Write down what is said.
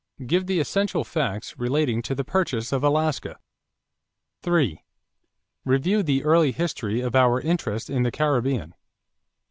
Give the essential facts relating to the purchase of Alaska. 3. Review the early history of our interest in the Caribbean.